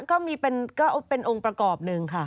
ก็เป็นองค์ประกอบหนึ่งค่ะ